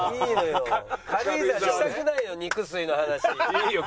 いいよ。